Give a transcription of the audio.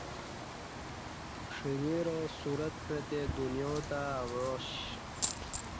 ݜݣرا صورت پعتے دنیاتہ اوعا ش